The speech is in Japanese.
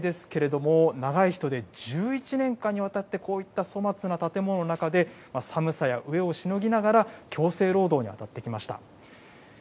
そういった方々、これ模型ですけれども、長い人で１１年間でこういった粗末な建物の中で、寒さや飢えをしのぎながら、強制労働に当たってきました。